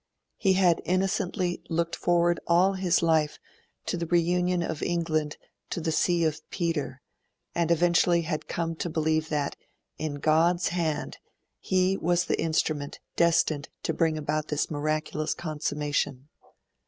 He had innocently looked forward all his life to the reunion of England to the See of Peter, and eventually had come to believe that, in God's hand, he was the instrument destined to bring about this miraculous consummation.